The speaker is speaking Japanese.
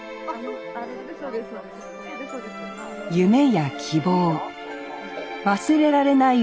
夢や希望忘れられない